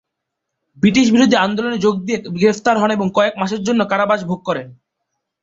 ব্রিটিশবিরোধী আন্দোলনে যোগ দিয়ে গ্রেফতার হন এবং কয়েক মাসের জন্য কারাবাস ভোগ করেন।